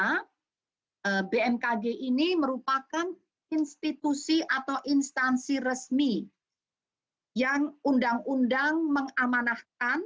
karena bmkg ini merupakan institusi atau instansi resmi yang undang undang mengamanahkan